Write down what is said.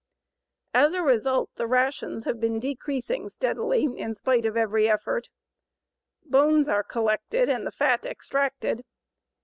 As a result the rations have been decreasing steadily in spite of every effort. Bones are collected and the fat extracted.